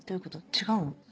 違うの？